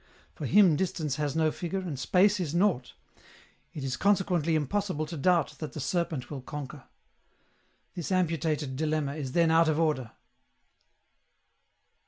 For Him distance has no figure, and space is nought. It is consequently impossible to doubt that the Serpent will conquer. This amputated dilemma is then out of order."